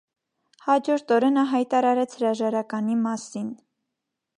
Հաջորդ օրը նա հայտարարեց հրաժարականի մասին։